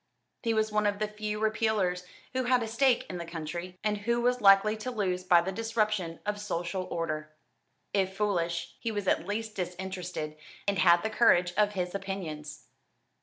He was one of the few Repealers who had a stake in the country, and who was likely to lose by the disruption of social order. If foolish, he was at least disinterested, and had the courage of his opinions.